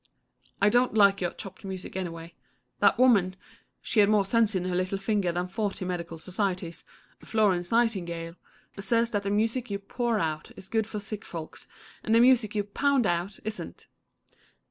I don't like your chopped music anyway. That woman she had more sense in her little finger than forty medical societies Florence Nightingale says that the music you pour out is good for sick folks, and the music you pound out isn't.